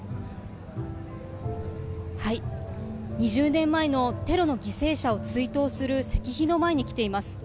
２０年前のテロの犠牲者を追悼する石碑の前に来ています。